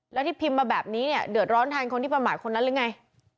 แล้วที่พิมพ์มาแบบนี้เนี่ยเดือดร้อนแทนคนที่ประมาทคนนั้นหรือไง